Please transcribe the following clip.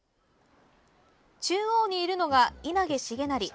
中央にいるのが稲毛重成。